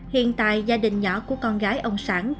hiện tại gia đình nhỏ của con gái ông sản